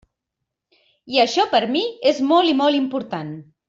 I això per a mi és molt i molt important.